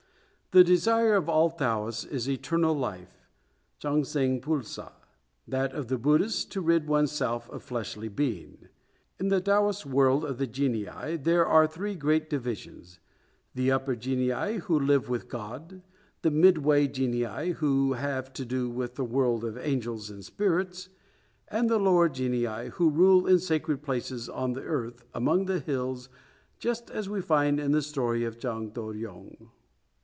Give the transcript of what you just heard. The desire of all Taoists is "eternal life," chang saing pul sa; that of the Buddhists, to rid oneself of fleshly being. In the Taoist world of the genii, there are three great divisions: the upper genii, who live with God; the midway genii, who have to do with the world of angels and spirits; and the lower genii, who rule in sacred places on the earth, among the hills, just as we find in the story of Chang To ryong.